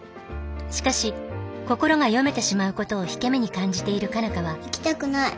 しかし心が読めてしまうことを引け目に感じている佳奈花は行きたくない。